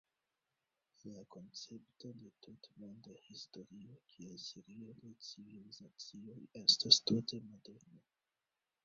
La koncepto de tutmonda historio kiel serio de "civilizacioj" estas tute moderna.